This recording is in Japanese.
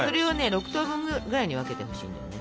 ６等分ぐらいに分けてほしいんだよね。